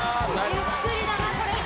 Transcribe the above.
ゆっくりだな、これ。